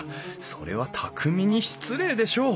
それは匠に失礼でしょう！